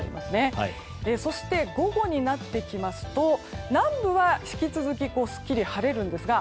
そして、午後になってきますと南部は引き続きすっきり晴れるんですが